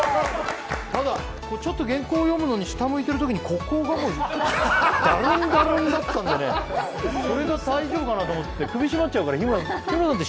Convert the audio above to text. ただちょっと原稿読むのに下向くときここが、だるんだるんだったんで、それが大丈夫かなと思って、首絞まっちゃうかなって。